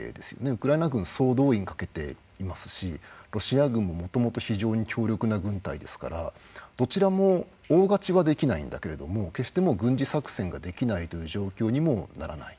ウクライナ軍総動員かけていますしロシア軍も、もともと非常に強力な軍隊ですからどちらも大勝ちはできないんだけれども決して軍事作戦ができないという状況にもならない。